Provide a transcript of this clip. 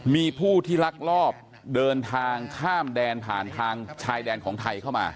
มีผู้ที่ลักลอบเดินทางข้ามแดนผ่านทางชายแดนของไทยเข้ามา